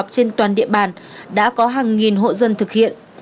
trên toàn địa bàn đã có hàng nghìn hộ dân thực hiện